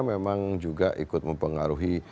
memang juga ikut mempengaruhi